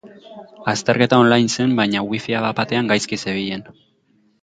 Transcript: Azterketa online zen baina wifia bapatean gaizki zebilen.